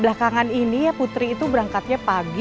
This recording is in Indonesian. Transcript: belakangan ini ya putri itu berangkatnya pagi